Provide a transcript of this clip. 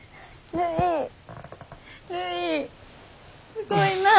すごいなあ。